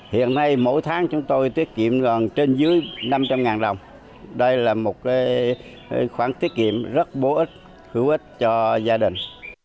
hiện nay mỗi tháng chúng tôi tiết kiệm gần trên dưới năm trăm linh đồng đây là một khoản tiết kiệm rất bổ ích hữu ích cho gia đình